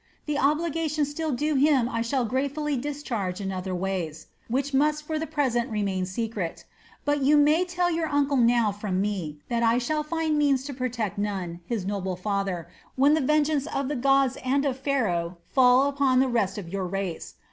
The obligation still due him I shall gratefully discharge in other ways, which must for the present remain secret. But you may tell your uncle now from me that I shall find means to protect Nun, his noble father, when the vengeance of the gods and of Pharaoh falls upon the rest of your race.